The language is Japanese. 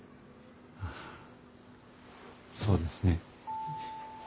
ああそうですね。